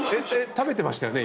食べてましたよね？